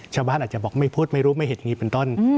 ชาวบ้านอาจจะบอกไม่พูดไม่รู้ไม่เห็นอย่างนี้เป็นต้น